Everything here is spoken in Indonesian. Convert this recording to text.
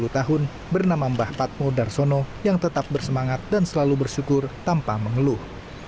sepuluh tahun bernama mbah patmo darsono yang tetap bersemangat dan selalu bersyukur tanpa mengeluh